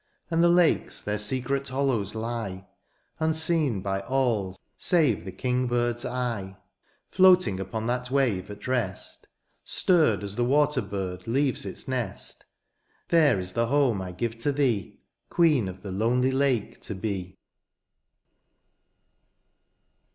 And the lakes in their secret hollows lie, Unseen by all save the king bird^s eye ; Floating upon that wave at rest. Stirred as the water bird leaves its nest. There is the home I give to thee, Queen of the lonely lake to be.